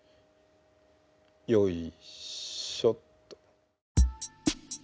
よいしょっと。